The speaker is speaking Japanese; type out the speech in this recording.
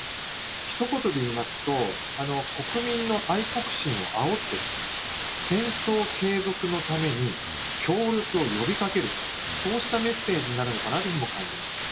ひと言で言いますと、国民の愛国心をあおってですね、戦争継続のために協力を呼びかける、そうしたメッセージになるのかなというふうにも感じます。